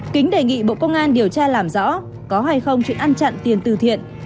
kính đề nghị bộ công an điều tra làm rõ có hay không chuyện ăn chặn tiền từ thiện